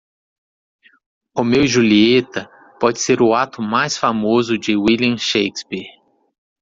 Romeu e Julieta pode ser o ato mais famoso de William Shakespeare.